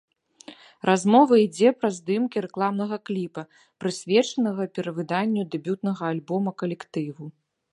Размова ідзе пра здымкі рэкламнага кліпа, прысвечанага перавыданню дэбютнага альбома калектыву.